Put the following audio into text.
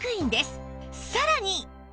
さらに